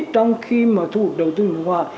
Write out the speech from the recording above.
trong khi mà thuộc đầu tư nước ngoài